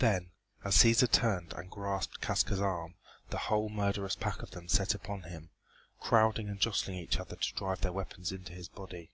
Then, as Cæsar turned and grasped Casca's arm, the whole murderous pack of them set upon him, crowding and jostling each other to drive their weapons into his body.